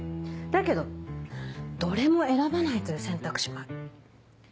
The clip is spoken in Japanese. だけどどれも選ばないという選択肢もある。